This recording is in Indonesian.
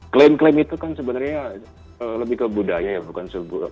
klaim klaim itu kan sebenarnya lebih ke budaya ya bukan